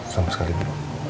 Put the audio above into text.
sama sekali bu